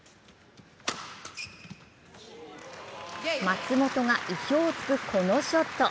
松本が意表を突くこのショット。